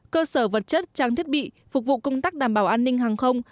cơ sở vật chất trang thiết bị phục vụ công tác đảm bảo an ninh hàng không